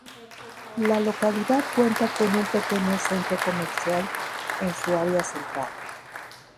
La localidad cuenta con un pequeño centro comercial en su área central.